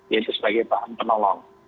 yaitu sebagai bahan penolong